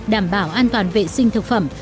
đảm bảo an toàn vệ sinh thực phẩm